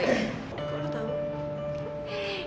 ya tau lah